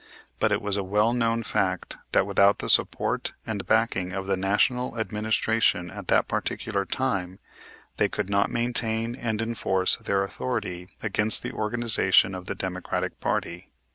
But it was a well known fact that without the support and backing of the National Administration at that particular time, they could not maintain and enforce their authority against the organization of the Democratic party.